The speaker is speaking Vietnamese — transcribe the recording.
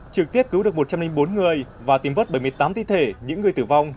trực tiếp cứu được một trăm linh bốn người và tìm vất bảy mươi tám thi thể những người tử vong